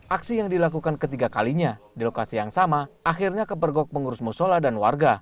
aksi yang dilakukan ketiga kalinya di lokasi yang sama akhirnya kepergok pengurus musola dan warga